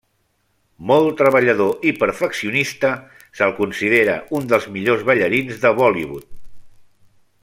Molt treballador i perfeccionista, se'l considera un dels millors ballarins de Bollywood.